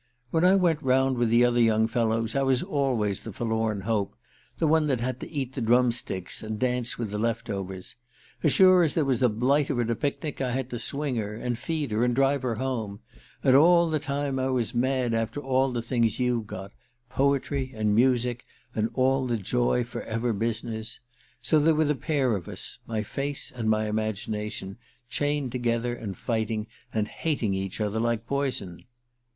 "When I went round with the other young fellows I was always the forlorn hope the one that had to eat the drumsticks and dance with the left overs. As sure as there was a blighter at a picnic I had to swing her, and feed her, and drive her home. And all the time I was mad after all the things you've got poetry and music and all the joy forever business. So there were the pair of us my face and my imagination chained together, and fighting, and hating each other like poison.